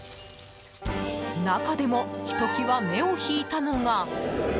中でもひときわ目を引いたのが。